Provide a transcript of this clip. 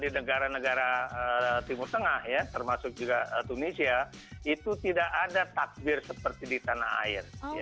di negara negara timur tengah ya termasuk juga tunisia itu tidak ada takbir seperti di tanah air